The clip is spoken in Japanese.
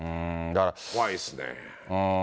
怖いですね。